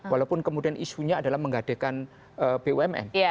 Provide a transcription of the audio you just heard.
walaupun kemudian isunya adalah menggadekan bumn